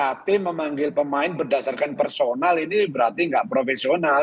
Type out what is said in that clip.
kalau ada pelatih memanggil pemain berdasarkan personal ini berarti tidak profesional